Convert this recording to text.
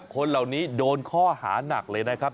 คนเหล่านี้โดนข้อหานักเลยนะครับ